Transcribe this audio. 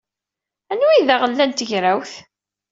Anwa ay d aɣella n tegrawt?